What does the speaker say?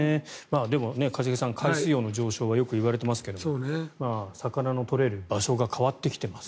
でも、一茂さん、海水温の上昇がよく言われていますが魚の取れる場所が変わってきています。